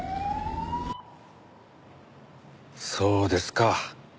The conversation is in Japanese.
そうですか。